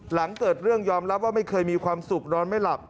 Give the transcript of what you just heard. หลังเกิดเรื่องยอมรับว่าไม่เคยมีความสุขนอนไม่หลับ